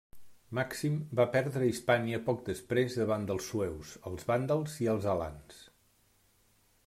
Màxim va perdre Hispània poc després davant dels sueus, els vàndals i els alans.